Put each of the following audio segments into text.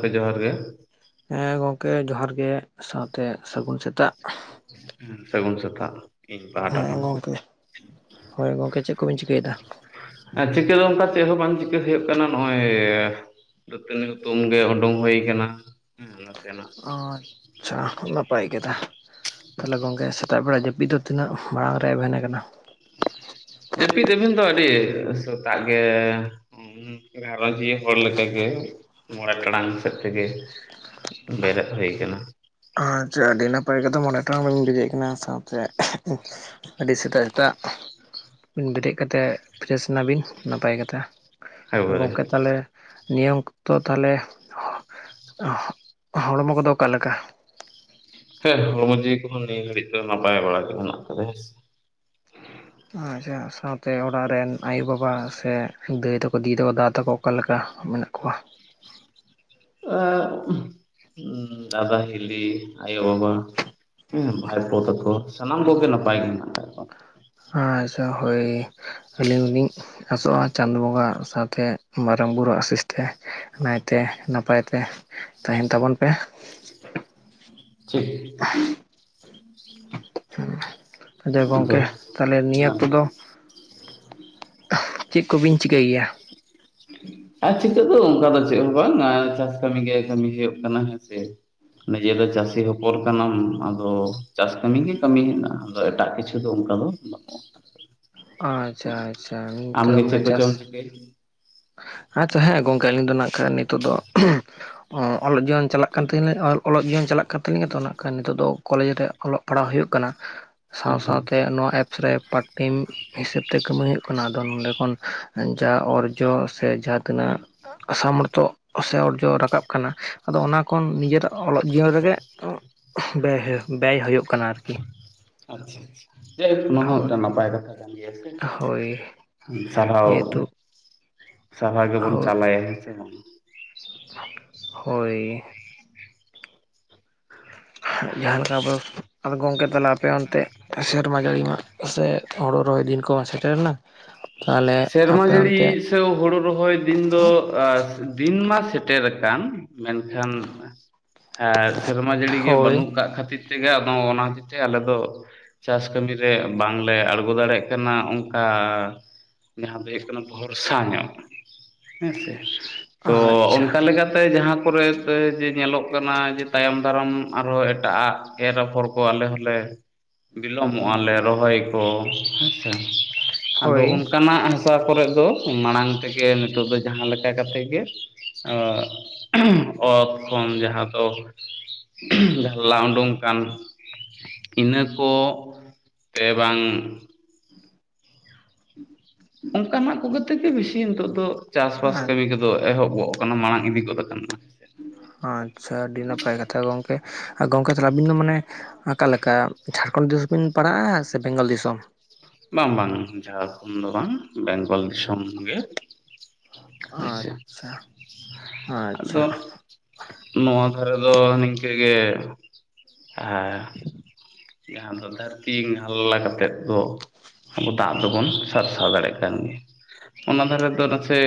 ᱠᱮ ᱡᱚᱦᱟᱨ ᱜᱮ, ᱦᱮᱸ ᱜᱚᱝᱠᱮ ᱡᱚᱦᱟᱨ ᱜᱮ, ᱥᱟᱶᱛᱮ ᱥᱟᱹᱜᱩᱱ ᱥᱮᱛᱟᱜ᱾ ᱥᱟᱹᱜᱩᱱ ᱥᱮᱛᱟᱜ᱾ ᱤᱧ ᱯᱟᱦᱴᱟ ᱦᱮᱸ ᱠᱷᱚᱱ ᱜᱚᱝᱠᱮ ᱦᱳᱭ ᱜᱚᱝᱠᱮ ᱪᱮᱫ ᱠᱚᱵᱤᱱ ᱪᱤᱠᱟᱹᱭᱮᱫᱟ? ᱪᱤᱠᱟᱹ ᱫᱚ ᱚᱱᱠᱟ ᱪᱮᱫ ᱦᱚᱸ ᱵᱟᱝ ᱪᱤᱠᱟᱹ ᱦᱩᱭᱩᱜ ᱠᱟᱱᱟ, ᱱᱚᱜᱼᱚᱭᱻ ᱫᱟ. ᱛᱟᱱᱤ ᱦᱩᱛᱩᱢ ᱜᱮ ᱚᱰᱩᱝ ᱦᱩᱭ ᱠᱟᱱᱟ᱾ ᱦᱮᱸ, ᱱᱟᱥᱮ ᱱᱟᱜ ᱚ ᱟᱪᱪᱷᱟ, ᱱᱟᱯᱟᱭ ᱠᱮᱫᱟ ᱛᱟᱦᱚᱞᱮ ᱜᱚᱝᱠᱮ, ᱥᱮᱛᱟᱜ ᱵᱮᱲᱟ ᱡᱟᱹᱯᱤᱫ ᱫᱚ ᱛᱤᱱᱟᱹᱜ ᱢᱟᱲᱟᱝ ᱨᱮ ᱮᱵᱷᱮᱱ ᱟᱠᱟᱱᱟ? ᱡᱟᱹᱯᱤᱫ ᱮᱵᱷᱮᱱ ᱫᱚ ᱟᱹᱰᱤ ᱥᱮᱛᱟᱜ ᱜᱮ ᱦᱩᱸ᱾ ᱜᱷᱟᱨᱚᱸᱡᱽᱤᱭᱟᱹ ᱦᱚᱲ ᱞᱮᱠᱟᱜᱮ, ᱢᱚᱬᱮ ᱴᱟᱲᱟᱝ ᱥᱮᱫ ᱛᱮᱜᱮ᱾ ᱵᱮᱨᱮᱫ ᱦᱩᱭ ᱠᱟᱱᱟ ᱾ ᱟᱪᱪᱷᱟ, ᱟᱹᱰᱤ ᱱᱟᱯᱟᱭ ᱠᱟᱛᱷᱟ ᱢᱚᱬᱮ ᱴᱟᱲᱝ ᱵᱤᱱ ᱵᱮᱨᱮᱫ ᱠᱟᱱᱟ ᱥᱟᱶᱛᱮ ᱟᱹᱰᱤ ᱥᱮᱛᱟᱜ ᱥᱮᱛᱟᱜ, ᱵᱮᱨᱮᱫ ᱠᱟᱛᱮᱫ ᱯᱷᱨᱮᱥ ᱮᱱᱟᱵᱤᱱ ᱱᱟᱯᱟᱭ ᱠᱟᱛᱷᱟ ᱾ ᱦᱮ ᱮᱠᱵᱟᱨᱮ ᱜᱚᱝᱠᱮ ᱛᱟᱦᱚᱞᱮ, ᱱᱤᱭᱚᱢᱛᱚ ᱛᱟᱦᱚᱞᱮ, ᱦᱚᱲᱢᱚ ᱠᱚᱫᱚ ᱚᱠᱟᱞᱮᱠᱟ? ᱦᱮᱸ, ᱦᱚᱲᱢᱚ ᱡᱤᱣᱤ ᱠᱚᱦᱚᱸ ᱱᱤᱭᱟᱹ ᱜᱷᱟᱹᱲᱤᱡ ᱫᱚ ᱱᱟᱯᱟᱭ ᱵᱟᱲᱟᱜ ᱜᱮ ᱢᱮᱱᱟᱜ ᱟᱠᱟᱫᱟ ᱾ ᱦᱮ ᱥᱮ ᱟᱪᱪᱷᱟ, ᱥᱟᱶᱛᱮ ᱚᱲᱟᱜ ᱨᱮᱱ ᱟᱭᱳ ᱵᱟᱵᱟ ᱥᱮ ᱫᱟᱹᱭ ᱛᱟᱠᱚ, ᱫᱤ ᱛᱟᱠᱚ, ᱫᱟ ᱛᱟᱠᱚ ᱚᱠᱟ ᱞᱮᱠᱟ ᱢᱮᱱᱟᱜ ᱠᱚᱣᱟ? ᱟ ᱫᱟᱫᱟ, ᱦᱤᱞᱤ, ᱟᱭᱳ ᱵᱟᱵᱟ ᱦᱮᱸ ᱵᱷᱟᱭᱯᱚᱛᱟᱠᱚ, ᱥᱟᱱᱟᱢ ᱠᱚᱜᱮ ᱱᱟᱯᱟᱭ ᱜᱮ ᱦᱮᱱᱟᱜ ᱟᱠᱟᱫ ᱠᱚᱣᱟ ᱾ ᱟᱪᱪᱷᱟ ᱦᱳᱭ, ᱟᱹᱞᱤᱧᱞᱤᱧ ᱟᱥᱚᱜᱼᱟ ᱪᱟᱸᱫ ᱵᱚᱸᱜᱟ, ᱥᱟᱶᱛᱮ ᱢᱟᱨᱟᱝ ᱵᱩᱨᱩ ᱟᱥᱤᱥ ᱛᱮ, ᱱᱟᱭᱛᱮ ᱱᱟᱯᱟᱭᱛᱮ ᱛᱟᱦᱮᱱ ᱛᱟᱵᱚᱱ ᱯᱮ ᱾ ᱴᱷᱤᱠ [unintelligible] ᱟᱫ ᱟᱫᱚ ᱜᱚᱝᱠᱮ ᱛᱟᱦᱚᱞᱮ ᱱᱤᱭᱟᱹ ᱦᱮᱸ ᱚᱠᱚᱫᱚ ᱫᱚ, ᱪᱮᱫ ᱠᱚᱵᱤᱱ ᱪᱤᱠᱟᱹᱭ ᱜᱮᱭᱟ? ᱟᱨ ᱪᱤᱠᱟᱹᱜ ᱫᱚ ᱚᱱᱠᱟ ᱫᱚ ᱪᱮᱫ ᱦᱚᱸ ᱵᱟᱝ, ᱟ ᱪᱟᱥ ᱠᱟᱹᱢᱤ ᱜᱮ ᱠᱟᱹᱢᱤ ᱦᱩᱭᱩᱜ ᱠᱟᱱᱟ ᱦᱮᱸᱥᱮ ᱾ ᱱᱤᱡᱮ ᱫᱚ ᱪᱟᱹᱥᱤ ᱦᱚᱯᱚᱱ ᱠᱟᱱᱟᱢ, ᱟᱫᱚ ᱪᱟᱥ ᱠᱟᱹᱢᱤ ᱜᱮ ᱠᱟᱹᱢᱤ ᱦᱮᱱᱟᱜᱼᱟ, ᱟᱫᱚ ᱮᱴᱟᱜ ᱠᱤᱪᱷᱩ ᱫᱚ ᱚᱱᱠᱟ ᱫᱚ ᱵᱟᱹᱱᱩᱜᱼᱟ ᱟᱪᱪᱷᱟ, ᱟᱪᱪᱷᱟ ᱟᱢᱜᱮ ᱢᱟᱱᱮ ᱪᱮᱫ ᱪᱟᱥ [unintelligible] ᱟᱪᱪᱷᱟ ᱦᱮᱸ ᱜᱚᱝᱠᱮ, ᱟᱹᱞᱤᱧ ᱫᱚ ᱱᱟᱜ ᱠᱷᱟᱱ ᱱᱤᱛᱚᱜ ᱫᱚ ᱚᱞᱜ ᱚᱞᱚᱜ ᱡᱤᱭᱚᱱ ᱪᱟᱞᱟᱜ ᱠᱟᱱ ᱛᱤᱧ ᱚᱞᱚᱜ ᱡᱤᱭᱚᱱ ᱪᱟᱞᱟᱜ ᱠᱟᱱ ᱛᱟᱞᱤᱧᱟ ᱛᱚ ᱚᱱᱟ ᱠᱷᱟᱱ ᱱᱚᱜ ᱫᱚ ᱠᱚᱞᱮᱡᱽ ᱨᱮ ᱚᱞᱚᱜ ᱯᱟᱲᱦᱟᱣ ᱦᱩᱭᱩᱜ ᱠᱟᱱᱟ, ᱥᱟᱶ ᱟᱪᱪᱷᱟ ᱥᱟᱶᱛᱮ ᱱᱚᱣᱟ ᱮᱯᱥ ᱨᱮ ᱯᱟᱴ ᱴᱟᱭᱤᱢ ᱦᱤᱥᱟᱹᱵ ᱛᱮ ᱠᱟ. ᱢᱤ ᱦᱩᱭᱩᱜ ᱠᱟᱱᱟ, ᱟᱫᱚ ᱱᱚᱰᱮ ᱠᱷᱚᱱ ᱡᱟ ᱚᱨ ᱡᱚ ᱥᱮ ᱡᱟᱦᱟᱸ ᱛᱤᱱᱟᱹᱜ, ᱥᱟᱢᱚᱨᱛᱷᱚ, ᱥᱮ ᱚᱨᱡᱚ ᱨᱟᱠᱟᱵ ᱠᱟᱱᱟ, ᱟᱫᱚ ᱚᱱᱟ ᱠᱷᱚᱱ ᱱᱤᱡᱮᱨᱟᱜ ᱚᱞᱚᱜ ᱡᱤᱭᱚᱱ ᱨᱮᱜᱮ ᱩ ᱵᱮ ᱵᱮᱭ ᱦᱩᱭᱩᱜ ᱠᱟᱱᱟ ᱟᱨᱠᱤ᱾ ᱟᱪᱪᱷᱟ, ᱟᱪᱪᱷᱟ ᱡᱮ ᱚᱱᱟ ᱦᱚᱸ ᱦᱳᱭ ᱢᱮᱫᱴᱟ ᱱᱟᱯᱟᱭ ᱠᱟᱛᱷᱟ ᱠᱟᱱ ᱜᱮᱭᱟ ᱥᱮ ᱾ ᱦᱳᱭ ᱥᱟᱨᱦᱟᱣ, ᱡᱮᱦᱮᱛᱩ ᱥᱟᱨᱦᱟᱣ ᱜᱮᱵᱚᱱ ᱦᱳᱭ ᱪᱟᱞᱟᱭᱟ ᱦᱮᱸᱥᱮ ᱵᱟᱝ? ᱦᱳᱭ᱾ ᱡᱟᱦᱟᱸ ᱞᱮᱠᱟ ᱟᱵᱚ ᱟ ᱜᱚᱝᱠᱮ ᱛᱟᱦᱞᱮ ᱟᱯᱮ ᱚᱱᱛᱮ ᱥᱮᱨᱢᱟ ᱡᱟᱹᱲᱤ ᱢᱟ ᱥᱮ ᱦᱳᱲᱳ ᱨᱚᱦᱚᱭ ᱫᱤᱱ ᱠᱚ ᱦᱚᱸ ᱥᱮᱴᱮᱨᱮᱱᱟ᱾ ᱛᱟᱦᱚᱞᱮ ᱥᱮᱨᱢᱟ ᱟᱯᱮ ᱡᱟᱹᱲᱤ ᱚᱱᱛᱮ ᱥᱮ ᱦᱩᱲᱩ ᱨᱚᱦᱚᱭ ᱫᱤᱱ ᱫᱚ ᱟᱸ ᱫᱤᱱ ᱢᱟ ᱥᱮᱴᱮᱨ ᱟᱠᱟᱱ᱾ ᱢᱮᱱᱠᱷᱟᱱ ᱦᱮᱸ ᱥᱮᱨᱢᱟ ᱡᱟᱹᱲᱤ ᱜᱮ ᱦᱳᱭ ᱵᱟᱹᱱᱩᱜ ᱠᱟᱜ ᱠᱷᱟᱹᱛᱤᱨ ᱛᱮᱜᱮ ᱟᱫᱚ ᱚᱱᱟ ᱦᱟᱛᱮᱡ ᱛᱮ ᱟᱞᱮ ᱫᱚ ᱪᱟᱥ ᱠᱟᱹᱢᱤ ᱨᱮ ᱵᱟᱝᱞᱮ ᱟᱬᱜᱚ ᱫᱟᱲᱮᱭᱟᱜ ᱠᱟᱱᱟ ᱚᱝᱠᱟ ᱡᱟᱦᱟᱸ ᱫᱚ ᱦᱩᱭᱩᱜ ᱠᱟᱱᱟ᱾ ᱵᱷᱚᱨᱥᱟ ᱧᱚᱜ ᱦᱮᱸ ᱥᱮ ᱛᱚᱻ ᱟᱪᱪᱷᱟ ᱚᱱᱠᱟ ᱞᱮᱠᱟᱛᱮ ᱥᱮ ᱡᱟᱦᱟᱸ ᱠᱚᱨᱮ ᱡᱮ ᱧᱮᱞᱚᱜ ᱠᱟᱱᱟ᱾ ᱡᱮ ᱛᱟᱭᱚᱢ ᱫᱟᱨᱟᱢ ᱟᱨᱦᱚᱸ ᱮᱴᱟᱜᱼᱟᱜ ᱮᱨ ᱟᱯᱷᱚᱨ ᱠᱚ ᱟᱞᱮ ᱦᱚᱸᱞᱮ ᱵᱤᱞᱚᱢᱚᱜᱼᱟ᱾ ᱞᱮ ᱨᱚᱦᱚᱭ ᱠᱚ ᱦᱮᱸᱥᱮ ᱟᱫᱚ ᱦᱳᱭ ᱚᱱᱠᱟᱱᱟᱜ ᱛᱟᱨᱯᱚᱨᱮ ᱫᱚ ᱢᱟᱲᱟᱝ ᱛᱮᱜᱮ ᱱᱤᱛᱚᱜ ᱫᱚ ᱡᱟᱦᱟᱸ ᱞᱮᱠᱟ ᱠᱟᱛᱮᱫ ᱜᱮ ᱟᱸ ᱚᱛ ᱠᱷᱚᱱ ᱡᱟᱦᱟᱸ ᱫᱚ ᱞᱟ ᱩᱰᱩᱝ [unintelligible] ᱤᱱᱟᱹᱠᱚ ᱛᱮᱵᱟᱝ᱾ [inaudible] ᱚᱱᱠᱟᱱᱟᱜ ᱠᱚᱜᱮ ᱛᱮ ᱜᱮ ᱵᱮᱥᱤ ᱱᱤᱛᱚᱜ ᱫᱚ ᱪᱟᱥᱵᱟᱥ ᱟᱨ ᱠᱟᱹᱢᱤ ᱠᱚ ᱫᱚ ᱮᱦᱚᱵᱚᱜ ᱠᱟᱱᱟ ᱢᱟᱲᱟᱝ ᱤᱫᱤ ᱜᱚᱫ ᱠᱟᱱᱟ᱾ ᱟᱪᱪᱷᱟ ᱟᱹᱰᱤ ᱱᱟᱯᱟᱭ ᱠᱟᱛᱷᱟ ᱜᱚᱝᱠᱮ ᱟᱨ ᱜᱚᱢᱠᱮ ᱛᱟᱦᱞᱮ ᱟᱵᱤᱱ ᱫᱚ ᱢᱟᱱᱮ ᱚᱠᱟᱞᱮᱠᱟ ᱡᱷᱟᱲᱠᱷᱚᱸᱰ ᱫᱤᱥᱚᱢ ᱵᱤᱱ ᱯᱟᱲᱟᱜᱼᱟ᱾ ᱥᱮ ᱵᱮᱝᱜᱚᱞ ᱫᱤᱥᱚᱢ ᱵᱟᱝ ᱵᱟᱝ ᱡᱷᱟᱲᱠᱷᱚᱸᱰ ᱫᱚ ᱵᱟᱝ ᱵᱮᱝᱜᱚᱞ ᱫᱤᱥᱚᱢ ᱜᱮ᱾ ᱦᱳᱭᱥᱮ ᱟᱪᱪᱷᱟ ᱟᱪᱪᱷᱟ᱾ ᱟᱫᱚ ᱱᱚᱣᱟ ᱫᱷᱟᱨᱮ ᱫᱚ ᱱᱤᱝᱠᱟᱹ ᱜᱮ ᱦᱮᱸ᱾ ᱡᱟᱦᱟᱸ ᱫᱚ ᱫᱷᱟᱹᱨᱛᱤ ᱦᱟᱞᱞᱟ ᱠᱟᱛᱮᱫ ᱫᱚ ᱫᱟᱜ ᱫᱚᱵᱚᱱ ᱥᱟᱨᱥᱟᱣ ᱫᱟᱲᱮᱭᱟᱜ ᱠᱟᱱ ᱜᱮᱭᱟ᱾ ᱚᱱᱟ ᱫᱷᱟᱨᱮ ᱫᱚ ᱱᱟᱥᱮ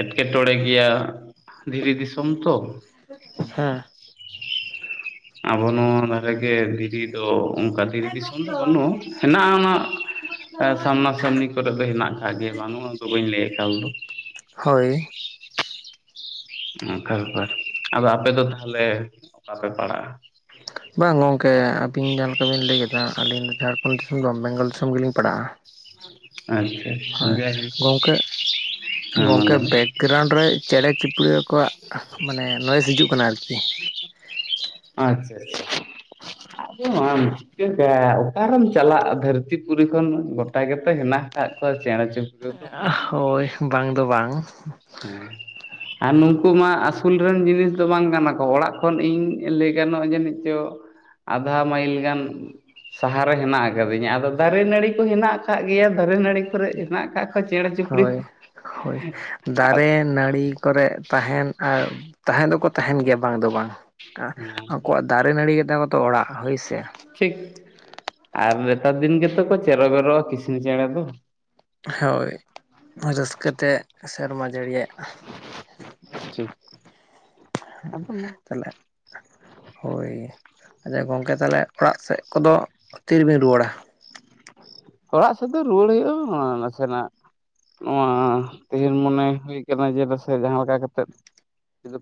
ᱮᱸᱴᱠᱮᱴᱚᱬᱮ ᱜᱮᱭᱟ ᱫᱷᱤᱨᱤ ᱫᱤᱥᱚᱢ ᱛᱚ᱾ ᱦᱮᱸ ᱟᱵᱚ ᱱᱚᱣᱟ ᱫᱷᱟᱨᱮᱜᱮ ᱫᱷᱤᱨᱤ ᱫᱚ᱾ ᱚᱱᱠᱟ ᱫᱤᱨᱤ ᱫᱤᱥᱚᱢ ᱫᱚ ᱵᱟᱹᱱᱩᱜᱼᱟ᱾ ᱦᱮᱱᱟᱜᱼᱟ ᱚᱱᱟ ᱟᱸ ᱥᱟᱢᱱᱟ ᱥᱟᱢᱱᱤ ᱠᱚᱨᱮᱜ ᱫᱚ ᱦᱮᱱᱟᱜ ᱟᱠᱟᱫ ᱜᱮᱭᱟ ᱵᱟᱝᱩᱜ-ᱟ᱾ ᱫᱚ ᱵᱟᱹᱧ ᱞᱟᱹᱭ ᱮᱠᱟᱞ ᱫᱚ [unintelligible] ᱚᱱᱠᱟ ᱵᱮᱯᱟᱨ ᱟᱫᱚ ᱟᱯᱮ ᱫᱚ ᱛᱟᱦᱚᱞᱮ ᱚᱠᱟ ᱯᱮ ᱯᱟᱲᱟᱜᱼᱟ᱾ ᱵᱟᱝ ᱜᱚᱝᱠᱮ ᱟᱵᱤᱱ ᱡᱟᱦᱟᱸ ᱞᱮᱠᱟ ᱵᱤᱱ ᱞᱟᱹᱭ ᱠᱮᱫᱟ᱾ ᱟᱹᱞᱤᱧ ᱫᱚ ᱡᱷᱟᱲᱠᱷᱚᱸᱰ ᱫᱤᱥᱚᱢ ᱵᱮᱝᱜᱚᱞ ᱫᱤᱥᱚᱢ ᱜᱮᱞᱤᱧ ᱯᱟᱲᱟᱜᱼᱟ᱾ ᱟᱪᱪᱷᱟ ᱦᱳᱭ [unintelligible] ᱜᱨᱟᱣᱩᱱᱰ ᱨᱮ ᱪᱮᱬᱮ ᱪᱤᱯᱲᱩ ᱠᱚᱣᱟᱜ ᱢᱟᱱᱮ ᱱᱚᱭᱮᱥ ᱦᱤᱡᱩᱜ ᱠᱟᱱᱟ ᱟᱨᱠᱤ [inaudible] ᱟᱪᱪᱷᱟ ᱟᱪᱪᱷᱟ᱾ ᱟᱫᱚᱢ ᱢᱟ ᱪᱤᱠᱟᱹ ᱚᱠᱟᱨᱮᱢ ᱪᱟᱞᱟᱜ ᱫᱷᱟᱹᱨᱛᱤ ᱯᱩᱨᱤ ᱠᱷᱚᱱ ᱫᱚ ᱜᱚᱴᱟ ᱜᱮᱛᱚ ᱦᱮᱱᱟᱜ ᱦᱮᱱᱟᱜ ᱠᱚᱶᱟ ᱪᱮᱬᱮ ᱪᱩᱯᱲᱤ ᱦᱳᱭ ᱵᱟᱝ ᱫᱚ ᱵᱟᱝ ᱦᱩᱸ ᱟᱨ ᱱᱩᱠᱩ ᱢᱟ ᱟᱹᱥᱩᱞ ᱨᱮᱱ ᱡᱤᱱᱤᱥ ᱫᱚ ᱵᱟᱝ ᱠᱟᱱᱟ ᱠᱚ᱾ ᱚᱲᱟᱜ ᱠᱷᱚᱱ ᱤᱧ ᱞᱟᱹᱭ ᱜᱟᱱᱚᱜᱼᱟ ᱡᱟᱹᱱᱤᱡ ᱪᱚᱝ ᱟᱫᱷᱟ ᱢᱟᱹᱭᱤᱞ ᱜᱟᱱ ᱥᱟᱦᱟᱨᱮ ᱦᱮᱱᱟᱜ ᱟᱠᱟᱫᱤᱧᱟ ᱟᱫᱚ ᱫᱟᱨᱮ ᱱᱟᱹᱲᱤ ᱠᱚ ᱦᱮᱱᱟᱜ ᱟᱠᱟᱫ ᱜᱮᱭᱟ ᱫᱟᱨᱮ ᱱᱟᱹᱲᱤ ᱠᱚᱨᱮᱜ ᱦᱮᱱᱟᱜ ᱟᱠᱟᱫ ᱠᱚᱣᱟ ᱪᱮᱬᱮ ᱪᱩᱯᱲᱤ ᱠᱚ ᱦᱳᱭ ᱦᱳᱭ, ᱫᱟᱨᱮ ᱱᱟᱹᱲᱤ ᱠᱚᱨᱮᱫ ᱛᱟᱦᱮᱱ ᱟᱨ ᱛᱟᱦᱮᱸ ᱫᱚᱠᱚ ᱛᱟᱦᱮᱱ ᱜᱮᱭᱟ ᱵᱟᱝ ᱫᱚ ᱵᱟᱝ ᱟᱠᱚᱣᱟᱜ ᱫᱟᱨᱮ ᱱᱟᱹᱲᱤ ᱜᱮᱛᱟ ᱠᱚ ᱛᱚ ᱚᱲᱟᱜ ᱦᱳᱭ ᱥᱮ᱾ ᱴᱷᱤᱠ᱾ ᱟᱨ ᱱᱮᱛᱟᱨ ᱫᱤᱱ ᱜᱮᱛᱮ ᱠᱚ ᱪᱮᱨ ᱵᱮᱨᱚᱜᱼᱟ ᱠᱤᱥᱤᱱᱤ ᱪᱮᱬᱮ ᱫᱚ᱾ ᱦᱳᱭ᱾ ᱨᱟᱹᱥᱠᱟᱹᱛᱮ ᱥᱮᱨᱢᱟ ᱡᱟᱹᱲᱤᱭᱟᱭ᱾ [inaudible] ᱴᱷᱤᱠ᱾ ᱟᱫᱚ ᱢᱟ ᱛᱟᱞᱮ᱾ ᱦᱳᱭ ᱟᱪᱪᱷᱟ ᱜᱚᱝᱠᱮ ᱛᱟᱦᱞᱮ ᱚᱲᱟᱜ ᱥᱮᱫ ᱠᱚᱫᱚ ᱛᱤᱨᱮ ᱵᱤᱱ ᱨᱩᱣᱟᱹᱲᱟ? ᱚᱲᱟᱜ ᱥᱮᱫ ᱫᱚ ᱨᱩᱣᱟᱹᱲ ᱦᱩᱭᱩᱜᱼᱟ ᱱᱟᱥᱮᱱᱟᱜ ᱱᱚᱣᱟ ᱛᱮᱦᱮᱧ ᱢᱚᱱᱮ ᱦᱩᱭ ᱟᱠᱟᱱᱟ ᱡᱮ ᱫᱮᱥᱮ ᱡᱟᱦᱟᱸ ᱞᱮᱠᱟ ᱠᱟᱛᱮᱫ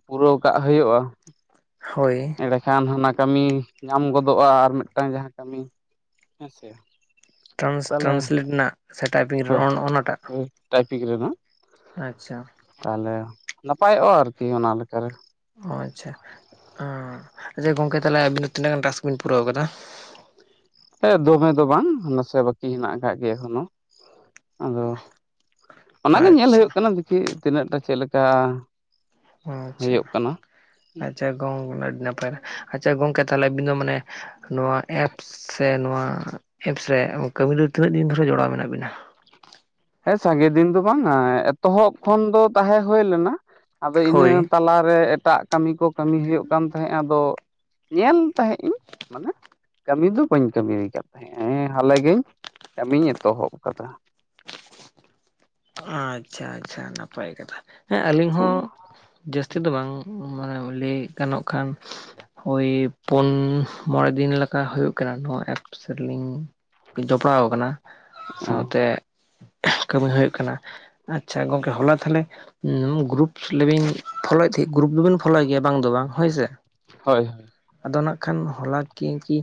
ᱯᱩᱨᱟᱹᱣ ᱠᱟᱜ ᱦᱳᱭᱳᱜᱼᱟ᱾ ᱦᱳᱭ᱾ ᱮᱸᱲᱮᱠᱷᱟᱱ ᱦᱟᱱᱟ ᱠᱟᱹᱢᱤ ᱧᱟᱢ ᱜᱚᱫᱚᱜᱼᱟ, ᱟᱨ ᱢᱮᱫᱴᱟᱝ ᱡᱟᱦᱟᱸ ᱠᱟᱹᱢᱤ ᱦᱮᱸᱥᱮ᱾ ᱴᱨᱟᱱᱥ ᱛᱟᱦᱚᱞᱮ ᱴᱨᱟᱱᱥᱤᱞᱤᱴ ᱨᱮᱱᱟᱜ ᱥᱮ ᱴᱟᱭᱯᱤᱝ ᱨᱚᱱ ᱚᱱᱟᱴᱟᱜ᱾ ᱴᱟᱭᱯᱤᱠ ᱨᱮᱱᱟᱜ᱾ ᱟᱪᱪᱷᱟ᱾ ᱛᱟᱦᱚᱞᱮ ᱱᱟᱯᱟᱭᱚᱜᱼᱟ ᱟᱨᱠᱤ ᱚᱱᱟ ᱞᱮᱠᱟ ᱨᱮ, ᱚ ᱟᱪᱪᱷᱟ ᱚᱸᱻ ᱜᱚᱝᱠᱮ ᱛᱟᱦᱚᱞᱮ ᱟᱵᱤᱱ ᱫᱚ ᱛᱤᱱᱟᱹᱜ ᱜᱟᱱ ᱴᱟᱥᱠ ᱵᱤᱱ ᱯᱩᱨᱟᱹᱣ ᱟᱠᱟᱫᱟ? ᱦᱮᱸ ᱫᱚᱢᱮ ᱫᱚ ᱵᱟᱝ ᱱᱟᱥᱮ ᱵᱟᱹᱠᱤ ᱦᱮᱱᱟᱜ ᱟᱠᱟᱫ ᱜᱮᱭᱟ ᱮᱠᱷᱚᱱᱳ᱾ ᱟᱫᱚ ᱚᱱᱟ ᱜᱮ ᱧᱮᱞ ᱟᱪᱪᱷᱟ ᱦᱳᱭᱳᱜ ᱠᱟᱱᱟ ᱫᱮᱠᱷᱤ ᱛᱤᱱᱟᱹᱜᱴᱟ ᱪᱮᱫ ᱞᱮᱠᱟ᱾ ᱚ ᱟᱪᱪᱷᱟ ᱦᱩᱭᱩᱜ ᱠᱟᱱᱟ ᱟᱪᱪᱷᱟ ᱜᱚᱝᱱᱟ ᱟᱹᱰᱤ ᱱᱟᱯᱟᱭ ᱟᱪᱪᱷᱟ ᱜᱚᱝᱠᱮ ᱛᱟᱦᱚᱞᱮ ᱟᱵᱤᱱ ᱫᱚ ᱢᱟᱱᱮ ᱱᱚᱣᱟ ᱮᱯᱥ ᱥᱮ ᱱᱚᱣᱟ ᱮᱯᱥ ᱨᱮ ᱠᱟᱹᱢᱤ ᱨᱮ ᱛᱤᱱᱟᱹᱜ ᱫᱤᱱ ᱫᱷᱚᱨᱮ ᱡᱚᱲᱟᱣ ᱢᱮᱱᱟᱜ ᱵᱤᱱᱟ? ᱦᱮᱸ ᱥᱟᱸᱜᱮ ᱫᱤᱱ ᱫᱚ ᱵᱟᱝᱼᱟ ᱮᱛᱚᱦᱚᱵ ᱠᱷᱚᱱ ᱫᱚ ᱛᱟᱦᱮᱸ ᱦᱳᱭ ᱞᱮᱱᱟ᱾ ᱟᱫᱚ ᱤᱱᱟᱹ ᱦᱳᱭ ᱛᱟᱞᱟᱨᱮ ᱮᱴᱟᱜ ᱠᱟᱹᱢᱤ ᱠᱚ ᱠᱟᱹᱢᱤ ᱦᱳᱭᱳᱜ ᱠᱟᱱ ᱛᱟᱦᱮᱸᱜᱼᱟ ᱟᱫᱚ ᱧᱮᱞ ᱛᱟᱦᱮᱸᱫ ᱤᱧ ᱢᱟᱱᱮ! ᱠᱟᱹᱢᱤ ᱫᱚ ᱵᱟᱹᱧ ᱠᱟᱹᱢᱤ ᱠᱟᱫ ᱛᱟᱦᱮᱸᱜ ᱜᱮ, ᱱᱮᱸ ᱦᱟᱞᱮ ᱜᱮ ᱠᱟᱹᱢᱤᱧ ᱮᱛᱚᱦᱚᱵ ᱟᱠᱟᱫᱟ᱾ ᱟᱪᱪᱷᱟ ᱟᱪᱪᱷᱟ ᱱᱟᱯᱟᱭ ᱠᱟᱛᱷᱟ᱾ ᱦᱮᱸ ᱟᱹᱞᱤᱧ ᱦᱚᱸ ᱡᱟᱹᱥᱛᱤ ᱫᱚ ᱵᱟᱝ, [unintelligible] ᱞᱟᱹᱭ ᱜᱟᱱᱚᱜ ᱠᱷᱟᱱ᱾ ᱳᱭ ᱯᱳᱱ ᱢᱚᱬᱮ ᱫᱤᱱ ᱞᱮᱠᱟ ᱦᱳᱭᱳᱜ ᱠᱟᱱᱟ ᱱᱚᱣᱟ ᱮᱯᱥ ᱨᱮᱞᱤᱝ, ᱡᱚᱯᱲᱟᱣ ᱟᱠᱟᱱᱟ ᱥᱟᱶᱛᱮ ᱠᱟᱹᱢᱤ ᱦᱳᱭᱳᱜ ᱠᱟᱱᱟ᱾ᱟᱪᱪᱷᱟ ᱜᱚᱝᱠᱮ ᱦᱚᱞᱟ ᱛᱟᱦᱚᱞᱮ ᱦᱩᱸ ᱜᱨᱩᱯᱥᱤᱞᱮ ᱵᱤᱱ ᱯᱷᱚᱞᱚᱭᱮᱫ ᱛᱮᱦᱮᱸᱜ ᱜᱩᱨᱩᱯ ᱫᱚᱵᱤᱱ ᱯᱷᱚᱞᱚᱭ ᱜᱮᱭᱟ ᱵᱟᱝ ᱫᱚ ᱵᱟᱝ ᱦᱳᱭ ᱥᱮ᱾ ᱦᱚᱭ! ᱟᱫᱚ ᱱᱟᱜ ᱠᱷᱟᱱ ᱦᱚᱞᱟ ᱠᱤᱝ ᱠᱤ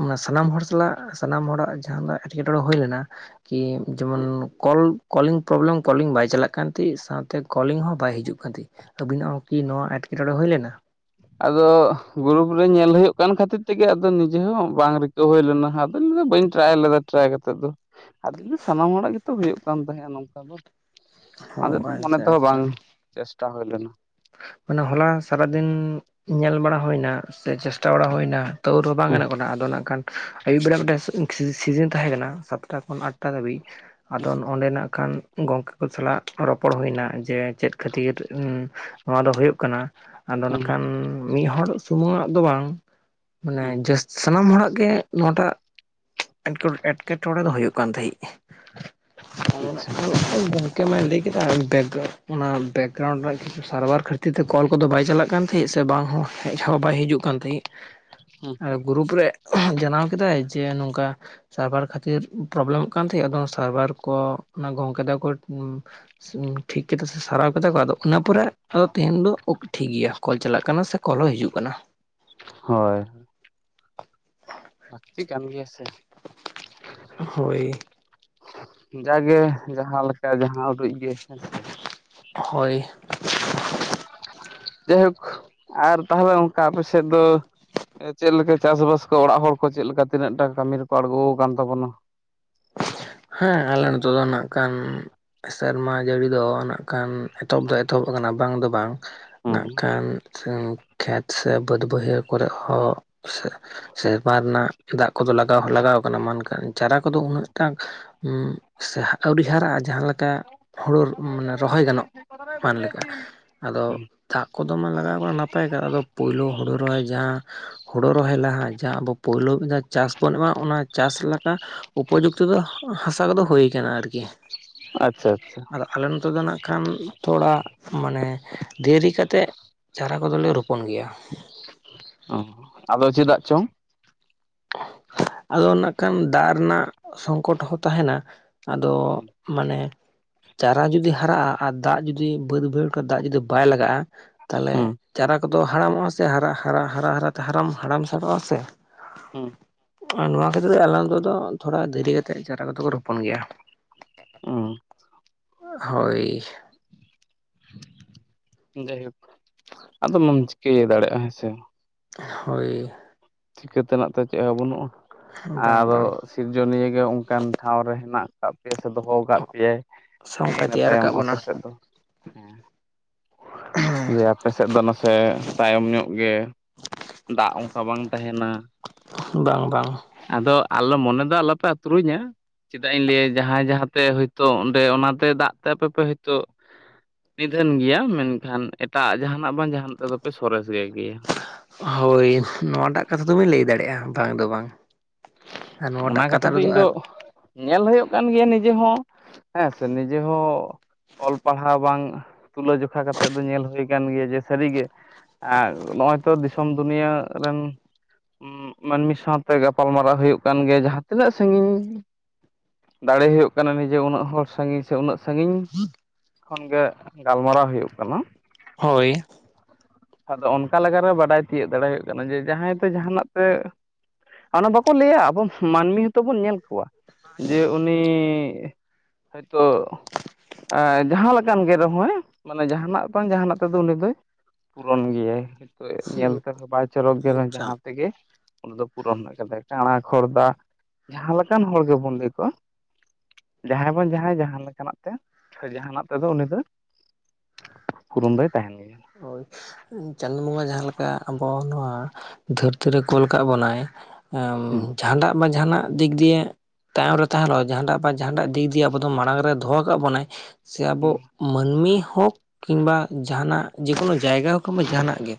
ᱦᱩᱸ᱾ᱥᱟᱱᱟᱢ ᱦᱚᱲ ᱥᱟᱞᱟᱜ ᱥᱟᱱᱟᱢ ᱦᱚᱲᱟᱜ ᱡᱟᱦᱟᱸᱱ, ᱮᱸᱴᱠᱮᱴᱚᱬᱮ ᱦᱳᱭ ᱞᱮᱱᱟ᱾ ᱠᱤ ᱡᱚᱢᱚᱱ᱾ ᱠᱚᱞ ᱠᱚᱞᱤᱝ ᱯᱨᱳᱵᱞᱮᱢ ᱠᱚᱞᱤᱝ ᱵᱟᱭ ᱪᱟᱞᱟᱜ ᱠᱟᱱ ᱛᱟᱸᱦᱤᱸᱜ, ᱥᱟᱶᱛᱮ ᱠᱚᱞᱤᱝ ᱦᱚᱸ ᱵᱟᱭ ᱦᱤᱡᱩᱜ ᱠᱟᱱ ᱛᱟᱹᱦᱤᱸᱜ᱾ ᱟᱹᱵᱤᱱᱟᱜ ᱦᱚᱸ ᱠᱤ ᱱᱚᱣᱟ ᱮᱸᱴᱠᱮᱴᱚᱲᱮ ᱦᱳᱭ ᱞᱮᱱᱟ? ᱟᱫᱚ ᱜᱩᱨᱩᱯ ᱨᱮ ᱧᱮᱞ ᱦᱳᱭᱳᱜ ᱠᱟᱱ ᱠᱷᱟᱹᱛᱤᱨ ᱛᱮᱜᱮ ᱟᱫᱚ ᱱᱤᱡᱮ ᱦᱚᱸ ᱵᱟᱝ ᱨᱤᱠ ᱛᱳ ᱦᱳᱭ ᱞᱮᱱᱟ ᱟᱫᱚᱧ ᱢᱮᱱ ᱮᱫᱟ ᱵᱟᱹᱧ ᱴᱨᱟᱭ ᱞᱮᱫᱟ ᱴᱨᱟᱭ ᱠᱟᱛᱮᱫ ᱫᱚ᱾ ᱟᱫᱚᱧ ᱥᱟᱱᱟᱢ ᱦᱚᱲᱟᱜ ᱜᱮᱛᱚ ᱦᱳᱭᱳᱜ ᱠᱟᱱ ᱛᱟᱦᱮᱸᱫᱼᱟ ᱱᱚᱝᱠᱟ ᱫᱚ᱾ ᱚ ᱟᱫᱚ ᱢᱚᱱᱮ ᱟᱪᱪᱷᱟ ᱛᱮᱦᱚᱸ ᱟᱪᱪᱷᱟ ᱵᱟᱝ ᱪᱮᱥᱴᱟ ᱦᱳᱭ ᱞᱮᱱᱟ᱾ ᱢᱟᱱᱮ ᱦᱚᱞᱟ ᱥᱟᱨᱟᱫᱤᱱ ᱧᱮᱞ ᱵᱟᱲᱟ ᱦᱳᱭᱱᱟ ᱥᱮ ᱪᱮᱥᱴᱟ ᱵᱟᱲᱟ ᱦᱳᱭᱱᱟ᱾ ᱛᱟᱹᱣ ᱨᱮᱦᱚᱸ ᱵᱟᱝ ᱦᱩᱸ ᱜᱟᱱᱚᱜ ᱠᱟᱱᱟ ᱟᱫᱚ ᱱᱟᱜᱠᱷᱟᱱ ᱟᱹᱭᱩᱵ ᱵᱮᱲᱟ ᱢᱤᱫᱴᱮᱱ ᱥᱤᱨ ᱥᱤᱡᱤᱱ ᱛᱟᱦᱮᱸ ᱠᱟᱱᱟ ᱥᱟᱛᱴᱟ ᱠᱷᱚᱱ ᱟᱴᱴᱟ ᱫᱷᱟᱹᱵᱤᱡ᱾ ᱟᱫᱚ ᱚᱸᱰᱮ ᱱᱟᱜᱠᱷᱟᱱ ᱜᱚᱝᱠᱮ ᱠᱚ ᱥᱟᱞᱟᱜ ᱨᱚᱯᱚᱲ ᱦᱳᱭ ᱮᱱᱟ ᱡᱮ ᱪᱮᱫ ᱠᱷᱟᱹᱛᱤᱨ ᱱᱚᱣᱟ ᱫᱚ ᱦᱳᱭᱳᱜ ᱠᱟᱱᱟ ᱟᱫᱚ ᱦᱩᱸ ᱱᱟᱠᱷᱟᱱ ᱢᱤᱫ ᱦᱚᱲ ᱥᱩᱢᱩᱝᱟᱜ ᱫᱚ ᱵᱟᱝ, ᱦᱩᱸ ᱢᱟᱱᱮ ᱡᱟᱹᱥ ᱥᱟᱱᱟᱢ ᱦᱚᱲᱟᱜ ᱜᱮ ᱱᱚᱣᱟᱴᱟᱜ ᱮᱸᱴᱠᱮ ᱮᱸᱴᱠᱮ ᱴᱲᱮ ᱫᱚ ᱦᱳᱭᱳᱜ ᱠᱟᱱ ᱛᱟᱹᱦᱤ᱾ ᱟᱪᱪᱷᱟ [inaudible] ᱜᱚᱢᱠᱮ ᱢᱟ ᱞᱟᱹᱭ ᱠᱮᱫᱟ ᱚᱱᱟ ᱵᱮᱠᱜᱨᱟᱭᱩᱱᱰ ᱨᱮᱱᱟᱜ ᱠᱤᱪᱷᱩ ᱥᱟᱨᱵᱷᱟᱨ ᱠᱷᱟᱹᱛᱤᱨ ᱛᱮ ᱠᱚᱞ ᱠᱚᱫᱚ ᱵᱟᱭ ᱪᱟᱞᱟᱜ ᱠᱟᱱ ᱛᱟᱹᱦᱤᱸᱜ ᱥᱮ ᱵᱟᱝ ᱦᱚᱸ ᱦᱮᱡ ᱦᱚᱸ ᱵᱟᱭ ᱦᱤᱡᱩᱜ ᱠᱟᱱ ᱛᱟᱹᱦᱤᱸᱜ? ᱦᱩᱸ ᱮ ᱜᱩᱨᱩᱯ ᱨᱮ ᱡᱟᱱᱟᱣ ᱠᱮᱫᱟᱭ ᱡᱮ ᱱᱚᱝᱠᱟ ᱥᱟᱨᱵᱷᱟᱨ ᱠᱷᱟᱹᱛᱤᱨ ᱯᱨᱚᱵᱞᱮᱢᱚᱜ ᱠᱟᱱ ᱛᱟᱸᱦᱮᱜ ᱟᱫᱚ ᱥᱟᱨᱵᱷᱟᱨ ᱠᱚ ᱜᱚᱢᱠᱮ ᱛᱟᱠᱚ ᱴᱷᱤᱠ ᱠᱮᱫᱟ ᱥᱮ ᱥᱟᱨᱟᱣ ᱠᱮᱫᱛᱟ ᱠᱚ ᱟᱫᱚ ᱤᱱᱟᱹ ᱯᱚᱨᱮ᱾ ᱟᱫᱚ ᱛᱮᱦᱮᱧ ᱫᱚ ᱳᱜ ᱴᱷᱤᱠ ᱜᱮᱭᱟ ᱠᱚᱞ ᱪᱟᱞᱟᱜ ᱠᱟᱱᱟ ᱥᱮ ᱠᱚᱞ ᱦᱚᱸ ᱦᱤᱡᱩᱜ ᱠᱟᱱᱟ᱾ ᱦᱚᱭ᱾ ᱞᱟᱹᱠᱛᱤ ᱠᱟᱱ ᱜᱮᱭᱟ ᱥᱮ ᱾ ᱦᱳᱭ ᱾ ᱡᱟᱜᱮ ᱡᱟᱦᱟᱸ ᱞᱮᱠᱟ ᱡᱟᱦᱟᱸ ᱩᱰᱩᱡ ᱜᱮ ᱦᱮᱸᱥᱮ ᱾ ᱦᱳᱭ ᱡᱟᱭᱦᱳᱠ ᱟᱨ ᱛᱟᱦᱚᱞᱮ ᱚᱱᱠᱟ ᱟᱯᱮ ᱥᱮᱫ ᱫᱚ ᱪᱮᱫ ᱞᱮᱠᱟ ᱪᱟᱥᱵᱟᱥ ᱠᱚ ᱚᱲᱟᱜ ᱦᱚᱲ ᱠᱚ ᱪᱮᱫ ᱞᱮᱠᱟ ᱛᱤᱱᱟᱹ ᱴᱟ ᱠᱟᱹᱢᱤ ᱨᱮᱠᱚ ᱟᱲᱜᱚᱣᱟ ᱟᱠᱟᱱ ᱛᱟᱵᱚᱱᱟ? ᱦᱮᱸ ᱟᱞᱮ ᱱᱤᱛᱚᱜ ᱫᱚ ᱱᱟᱜ ᱠᱷᱟᱱ ᱥᱮᱨᱢᱟ ᱡᱟᱹᱲᱤ ᱫᱚ ᱱᱟᱜ ᱠᱷᱟᱱ ᱮᱛᱚᱦᱚᱵ ᱫᱚ ᱮᱛᱚᱦᱚᱵ ᱟᱠᱟᱱᱟ ᱵᱟᱝ ᱫᱚ ᱵᱟᱝ᱾ ᱦᱩᱸ ᱱᱟᱜ ᱠᱷᱟᱱ ᱠᱷᱮᱛ ᱥᱮ ᱵᱟᱹᱫᱽ ᱵᱟᱹᱭᱦᱟᱹᱲ ᱠᱚᱨᱮ ᱦᱚᱸ᱾ ᱥᱮᱨᱢᱟ ᱨᱮᱱᱟᱜ ᱫᱟᱜ ᱠᱚᱫᱚ ᱞᱟᱜᱟᱣ ᱦᱚᱸ ᱞᱟᱜᱟᱣ ᱠᱟᱱᱟ ᱢᱮᱱᱠᱷᱟᱱ ᱪᱟᱨᱟ ᱠᱚᱫᱚ ᱩᱱᱟᱹᱜ ᱴᱟᱝ᱾ ᱩᱸ ᱥᱮ ᱟᱹᱣᱨᱤ ᱦᱟᱨᱟᱜᱼᱟ ᱡᱟᱦᱟᱸ ᱞᱮᱠᱟ ᱦᱩᱲᱩ ᱢᱟᱱᱮ ᱨᱚᱦᱚᱭ ᱜᱟᱱᱚᱜ᱾ ᱢᱟᱱ ᱞᱮᱠᱟ [unintelligible] ᱟᱫᱚ ᱦᱩᱸ ᱫᱟᱜ ᱠᱚᱫᱚ ᱢᱟ ᱞᱟᱜᱟᱣ ᱠᱟᱱᱟ ᱱᱟᱯᱟᱭ ᱠᱟ ᱟᱫᱚ ᱯᱳᱭᱞᱳ ᱦᱩᱲᱩ ᱨᱚᱦᱚᱭ ᱡᱟᱦᱟᱸ᱾ ᱦᱩᱲᱩ ᱨᱚᱦᱚᱭ ᱞᱟᱦᱟ ᱡᱟ ᱟᱵᱚ ᱯᱳᱭᱞᱳ ᱢᱤᱫ ᱪᱟᱥ ᱵᱚᱱ ᱮᱢᱟ ᱚᱱᱟ ᱪᱟᱥ ᱞᱮᱠᱟ ᱩᱯᱚᱡᱩᱠ᱾ ᱛᱩᱫᱩᱜᱼᱟ ᱦᱟᱥᱟ ᱠᱚᱫᱚ ᱦᱩ ᱟᱠᱟᱱᱟ ᱟᱨᱠᱤ᱾ ᱟᱪᱪᱷᱟ ᱟᱪᱪᱷᱟ, ᱟᱫᱚ ᱟᱞᱮ ᱱᱚᱛᱮ ᱫᱚ ᱱᱟᱜ ᱠᱷᱟᱱ ᱛᱷᱚᱲᱟ ᱢᱟᱱᱮ ᱫᱮᱨᱤ ᱠᱟᱛᱮᱫ᱾ ᱪᱟᱨᱟ ᱠᱚᱫᱚᱞᱮ ᱨᱚᱯᱚᱱ ᱜᱮᱭᱟ, ᱚ ᱟᱫᱚ ᱪᱮᱫᱟᱜ ᱪᱚᱝ? ᱟᱫᱚ ᱱᱟᱜ ᱠᱷᱟᱱ ᱫᱟᱜ ᱨᱮᱱᱟᱜ ᱥᱚᱝᱠᱚᱴ ᱦᱚᱸ ᱛᱟᱦᱮᱱᱟ᱾ ᱟᱫᱚ ᱦᱩᱸ ᱢᱟᱱᱮ᱾ ᱪᱟᱨᱟ ᱡᱩᱫᱤ ᱦᱟᱨᱟᱜᱼᱟ ᱟᱨ ᱫᱟᱜ ᱡᱩᱫᱤ ᱵᱟᱹᱫ ᱵᱟᱹᱭᱦᱟᱹᱲ ᱠᱷᱚ ᱫᱟᱜ ᱡᱩᱫᱤ ᱵᱟᱭ ᱞᱟᱜᱟᱜᱼᱟ᱾ ᱛᱟᱦᱚᱞᱮ ᱦᱩᱸ ᱪᱟᱨᱟ ᱠᱚᱫᱚ ᱦᱟᱲᱟᱢᱚᱜᱼᱟ ᱥᱮ ᱦᱟᱨᱟ ᱦᱟᱨᱟᱼᱦᱟᱨᱟ ᱦᱟᱨ ᱦᱟᱲᱟᱢ ᱥᱮᱟᱨᱚᱜᱼᱟ ᱥᱮ᱾ ᱦᱩᱸ ᱟᱨ ᱱᱚᱣᱟ ᱠᱷᱟᱹᱛᱤᱨ ᱛᱮ ᱟᱞᱟᱝ ᱛᱮ ᱫᱚ ᱛᱷᱚᱲᱟ ᱫᱮᱨᱤ ᱠᱟᱛᱮᱫ ᱪᱟᱨᱟ ᱠᱚᱫᱚ ᱠᱚ ᱨᱚᱯᱚᱱ ᱜᱮᱭᱟ᱾ ᱦᱳᱭ᱾ ᱡᱟᱹᱭ ᱦᱳᱠ᱾ ᱢᱟ ᱟᱫᱚᱢ ᱪᱤᱠᱟᱹᱭ ᱫᱟᱲᱮᱭᱟᱜᱼᱟ ᱦᱮᱸ ᱥᱮ᱾ ᱦᱳᱭ, ᱪᱤᱠᱟᱹ ᱛᱮᱱᱟᱜ ᱛᱮ ᱪᱮᱫᱦ ᱦᱚᱸ ᱵᱟᱹᱱᱩᱜᱼᱟ ᱵᱟᱝ ᱟᱨ ᱵᱟᱝ ᱥᱤᱨᱡᱚᱱᱤᱭᱟᱹ ᱜᱮ ᱚᱱᱠᱟᱱ ᱴᱷᱟᱶ ᱨᱮ ᱦᱮᱱᱟᱜ᱾ ᱠᱟᱜ ᱯᱮᱟᱭ ᱥᱮ ᱫᱚᱦᱚ ᱠᱟᱜ ᱯᱮᱭᱟᱭᱮᱸ ᱥᱚᱝᱠᱟᱭ ᱤᱱᱟᱹ ᱛᱮᱭᱟᱨ ᱛᱟᱭᱚᱢ ᱟᱠᱟᱫ ᱵᱚᱱᱟ ᱟᱯᱮ ᱥᱮᱫ ᱫᱚ ᱦᱮᱸ᱾ ᱡᱮ ᱟᱯᱮ ᱥᱮᱫ ᱫᱚ ᱱᱟᱥᱮ ᱛᱟᱭᱚᱢ ᱧᱚᱜ ᱜᱮ ᱫᱟᱜ ᱚᱱᱠᱟ ᱵᱟᱝ᱾ ᱛᱟᱦᱮᱱᱟ, ᱵᱟᱝ ᱵᱟᱝ, ᱟᱫᱚ ᱟᱞᱮ ᱢᱚᱱᱮ ᱫᱚ ᱟᱞᱚᱯᱮ ᱟᱛᱨᱩᱧᱟ᱾ ᱪᱮᱫᱟᱜ ᱤᱧ ᱞᱟᱹᱭᱼᱟ ᱡᱟᱦᱟᱸᱭ ᱡᱟᱦᱟᱸᱛᱮ ᱦᱭᱛᱳ ᱚᱸᱰᱮ ᱚᱱᱟᱛᱮ ᱫᱟᱜ ᱛᱮ ᱟᱯᱮ ᱯᱮ ᱦᱭᱛᱳ᱾ ᱱᱤᱫᱷᱟᱹᱱ ᱜᱮᱭᱟ ᱢᱮᱱᱠᱷᱟᱱ ᱮᱴᱟᱜ ᱡᱟᱦᱟᱱᱟᱜ ᱵᱟᱝ ᱡᱟᱦᱟᱱᱟᱜ ᱛᱮᱫᱚ ᱯᱮ ᱥᱚᱨᱮᱥ ᱜᱮ ᱜᱮᱭᱟ᱾ ᱦᱳᱭ ᱱᱚᱣᱟᱴᱟᱜ ᱠᱟᱛᱷᱟ ᱫᱚᱵᱤᱱ ᱞᱟᱹᱭ ᱫᱟᱲᱮᱜᱼᱟ ᱵᱟᱝ ᱫᱚ ᱵᱟᱝ᱾ ᱟᱨ ᱚᱱᱟ ᱱᱚᱣᱟᱴᱟᱜ ᱠᱟᱛᱷᱟ ᱠᱷᱟᱹᱛᱤᱨ ᱛᱮ ᱨᱮᱫᱚ ᱤᱧ ᱫᱚ ᱟᱨ ᱧᱮᱞ ᱦᱩᱭᱩᱜ ᱠᱟᱱ ᱜᱮᱭᱟ ᱱᱤᱡᱮ ᱦᱚᱸ ᱦᱮᱸ ᱥᱮ ᱱᱤᱡᱮ ᱦᱚᱸ ᱚᱞ ᱯᱟᱲᱦᱟᱣ ᱵᱟᱝ ᱛᱩᱞᱟᱹᱡᱚᱠᱷᱟ ᱠᱟᱛᱮᱫ ᱫᱚ ᱧᱮᱞ ᱦᱩᱭ ᱠᱟᱱ ᱜᱮᱭᱟ ᱡᱮ ᱥᱟᱹᱨᱤᱜᱮ ᱟᱨ ᱱᱚᱜᱼᱚᱭ ᱛᱚ ᱫᱤᱥᱚᱢ ᱫᱩᱱᱭᱟᱹ ᱨᱮᱱ ᱩᱸᱜ ᱢᱟᱹᱱᱢᱤ ᱥᱟᱶᱛᱮ ᱜᱟᱯᱟᱞ ᱢᱟᱨᱟᱣ ᱦᱩᱭᱩᱜ ᱠᱟᱱ ᱜᱮᱭᱟ ᱡᱟᱦᱟᱸ ᱛᱤᱱᱟᱹᱜ ᱥᱟᱺᱜᱤᱧ, ᱫᱟᱲᱮ ᱦᱩᱭᱩᱜ ᱠᱟᱱᱟ ᱱᱤᱡᱮ ᱩᱱᱟᱹᱜ ᱦᱚᱲ ᱥᱟᱺᱜᱤᱧ ᱥᱮ ᱩᱱᱟᱹᱜ ᱥᱟᱺᱜᱤᱧ ᱠᱷᱚᱱ ᱜᱮ ᱜᱟᱞᱢᱟᱨᱟᱣ ᱦᱩᱭᱩᱜ ᱠᱟᱱᱟ᱾ ᱦᱳᱭ ᱟᱫᱚ ᱚᱱᱠᱟ ᱞᱮᱜᱟᱨᱮ ᱵᱟᱰᱟᱭ ᱛᱤᱭᱳᱜ ᱫᱟᱲᱮ ᱦᱩᱭᱩᱜ ᱠᱟᱱᱟ ᱡᱮ ᱡᱟᱦᱟᱸᱭ ᱛᱮ ᱡᱟᱦᱟᱸᱱᱟᱜ ᱛᱮ ᱦᱟᱱᱟ ᱵᱟᱠᱚ ᱞᱟᱹᱭᱟᱵ ᱩᱯᱷ ᱢᱟᱹᱱᱢᱤ ᱦᱚᱸᱛᱚ ᱵᱚᱱ ᱧᱮᱞ ᱠᱚᱣᱟ ᱡᱮ ᱩᱱᱤ ᱦᱚᱭᱛᱳ ᱟᱸ ᱡᱟᱦᱟᱸ ᱞᱮᱠᱟᱱ ᱜᱮ ᱨᱮᱦᱚᱸᱭ ᱢᱟᱱᱮ ᱡᱟᱦᱟᱸᱱᱟᱜ ᱵᱟᱝ ᱡᱟᱦᱟᱸᱱᱟᱜ ᱛᱮᱫᱚ ᱩᱱᱤ ᱫᱚᱭ ᱯᱩᱨᱚᱱ ᱜᱤᱭᱟᱭ᱾ ᱛᱚ ᱧᱮᱞ ᱛᱮᱦᱚᱸ ᱵᱟᱭ ᱪᱚᱨᱚᱠ ᱜᱮ ᱨᱮᱦᱚᱸᱭ ᱟᱪᱪᱷᱟ ᱡᱟᱦᱟᱸ ᱛᱮᱜᱮ ᱩᱱᱤ ᱫᱚ ᱯᱩᱨᱚᱱ ᱟᱠᱟᱫᱟᱭ ᱴᱟᱸᱲᱟᱠ ᱠᱷᱚᱨᱫᱟ ᱡᱟᱦᱟᱸ ᱞᱮᱠᱟᱱ ᱦᱚᱲ ᱜᱮᱵᱚᱱ ᱞᱟᱹᱭ ᱠᱚᱣᱟ ᱡᱟᱦᱟᱸᱭ ᱵᱟᱝ ᱡᱟᱦᱟᱸᱭ ᱡᱟᱦᱟᱸ ᱞᱮᱠᱟᱱᱟᱜ ᱛᱷᱚ ᱡᱟᱦᱟᱸᱱᱟᱜ ᱛᱮᱫᱚ ᱩᱱᱤ ᱫᱚ ᱯᱩᱨᱩᱱ ᱫᱚᱭ ᱛᱟᱦᱮᱸᱱ ᱜᱮᱭᱟ᱾ ᱦᱳᱭ ᱪᱟᱸᱫᱩ ᱵᱚᱸᱜᱟ ᱡᱟᱦᱟᱸ ᱞᱮᱠᱟ ᱟᱵᱚ ᱱᱚᱣᱟ ᱫᱷᱟᱹᱨᱛᱤ ᱨᱮ ᱠᱳᱞ ᱠᱟᱫ ᱵᱚᱱᱟᱭ ᱮᱢ ᱦᱩᱸ ᱡᱟᱦᱟᱸᱱᱟᱜ ᱵᱟᱝ ᱡᱟᱦᱟᱸᱱᱟᱜ ᱫᱤᱠ ᱫᱤᱭᱮ ᱛᱟᱭᱚᱢ ᱨᱮ ᱛᱟᱦᱮᱸᱞᱚᱜ ᱡᱟᱦᱟᱸᱴᱟᱜ ᱵᱟ ᱡᱟᱦᱟᱸᱴᱟᱜ ᱫᱤᱠ ᱫᱤᱭᱮ ᱟᱵᱚ ᱫᱚ ᱢᱟᱲᱟᱝ ᱨᱮ ᱫᱚᱦᱚ ᱠᱟᱜ ᱵᱚᱱᱟᱭ ᱥᱮ ᱟᱵᱚ ᱦᱩᱸ ᱢᱟᱹᱱᱢᱤ ᱦᱳᱠ ᱠᱤᱝᱜᱵᱟ ᱡᱟᱦᱟᱸᱱᱟᱜ ᱡᱮ ᱠᱳᱱᱳ ᱡᱟᱭᱜᱟ ᱦᱳᱠ ᱠᱤᱝᱵᱟ ᱡᱟᱦᱟᱸᱱᱟᱜ ᱜᱮ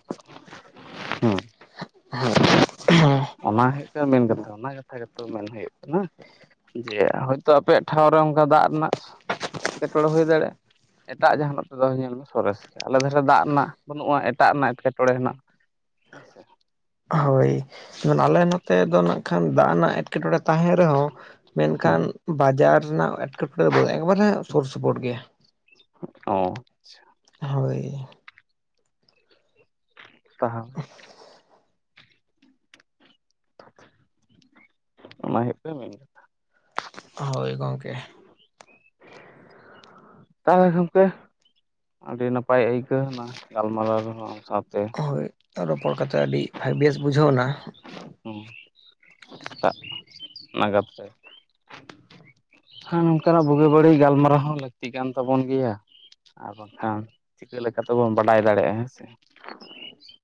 ᱚᱱᱟ ᱦᱩᱭᱩᱜ ᱠᱟᱱᱟ ᱢᱮᱱ ᱠᱟᱛᱷᱟ ᱚᱱᱟ ᱠᱟᱛᱷᱟ ᱜᱮᱛᱚ ᱢᱮᱱ ᱦᱩᱭᱩᱜ ᱠᱟᱱᱟ᱾ ᱡᱮ ᱦᱚᱭᱛᱚ ᱟᱯᱮᱭᱟᱜ ᱴᱷᱟᱶ ᱨᱮ ᱚᱱᱠᱟ ᱫᱟᱜ ᱨᱮᱱᱟᱜ ᱮᱴᱠᱮᱴᱚᱬᱮ ᱦᱩᱭ ᱫᱟᱲᱮᱭᱟᱜ-ᱟ᱾ ᱮᱴᱟᱜ ᱡᱟᱦᱟᱸᱱᱟᱜ ᱛᱮᱫᱚ ᱧᱮᱞᱢᱮ ᱥᱚᱨᱮᱥ ᱜᱮᱭᱟ ᱟᱞᱮ ᱫᱷᱟᱨᱮ ᱫᱟᱜ ᱨᱮᱱᱟᱜ ᱵᱟᱹᱱᱩᱜᱼᱟ ᱮᱴᱟᱜ ᱨᱮᱱᱟᱜ ᱮᱴᱠᱮᱴᱚᱬᱮ ᱦᱮᱱᱟᱜ ᱦᱮᱸ ᱥᱮ᱾ ᱦᱳᱭ ᱢᱮᱱ ᱟᱞᱮ ᱱᱚᱛᱮ ᱫᱚ ᱱᱟᱜ ᱠᱷᱟᱱ ᱫᱟᱜ ᱨᱮᱱᱟᱜ ᱮᱴᱠᱮᱴᱚᱬᱮ ᱛᱟᱦᱮᱸ ᱨᱮᱦᱚᱸ ᱦᱩᱸ ᱢᱮᱱᱠᱷᱟᱱ ᱵᱟᱡᱟᱨ ᱨᱮᱱᱟᱜ ᱮᱴᱠᱮᱴᱚᱬᱮ ᱫᱚ ᱵᱟᱹ ᱮᱠᱵᱟᱨᱮ ᱥᱩᱨ ᱥᱩᱯᱩᱨ ᱜᱮ᱾ ᱚᱸ ᱦᱳᱭ ᱛᱟᱦᱚᱞᱮ ᱚᱱᱟ ᱦᱩᱭᱩᱜ ᱠᱟᱱᱟ ᱢᱮᱱ ᱠᱷᱟᱛᱟ᱾ ᱦᱳᱭ ᱜᱚᱝᱠᱮ [inaudible] ᱛᱟᱦᱚᱞᱮ ᱜᱷᱚᱢᱠᱮ ᱟᱹᱰᱤ ᱱᱟᱯᱟᱭ ᱟᱹᱭᱠᱟᱹᱣᱱᱟ ᱜᱟᱞᱢᱟᱨᱟᱣ ᱨᱮᱦᱚᱸ ᱟᱢ ᱥᱟᱶᱛᱮ᱾ ᱦᱳᱭ ᱨᱚᱯᱚᱲ ᱠᱟᱛᱮ ᱟᱹᱰᱤ ᱵᱷᱟᱭ ᱵᱮᱥ ᱵᱩᱡᱷᱟᱹᱣᱱᱟ᱾ ᱦᱮᱸ, ᱥᱮᱛᱟᱜ ᱱᱟᱜᱟᱫ ᱨᱮ᱾ ᱦᱮᱸ ᱱᱚᱝᱠᱟᱱᱟᱜ ᱵᱩᱜᱤ ᱵᱟᱹᱲᱤᱡ ᱜᱟᱞᱢᱟᱨᱟᱣ ᱦᱚᱸ ᱞᱟᱹᱠᱛᱤ ᱠᱟᱱ ᱛᱟᱵᱚᱱ ᱜᱮᱭᱟ᱾ ᱟᱨ ᱵᱟᱝᱠᱷᱟᱱ ᱪᱤᱠᱟᱹ ᱞᱮᱠᱟ ᱛᱮᱵᱚᱱ ᱵᱟᱰᱟᱭ ᱫᱟᱲᱮᱭᱟᱜᱼᱟ ᱦᱮᱸ ᱥᱮ᱾